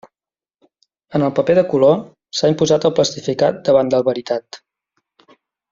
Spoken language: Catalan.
En el paper de color s'ha imposat el plastificat davant del baritat.